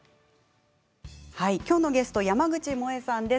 きょうのゲスト山口もえさんです。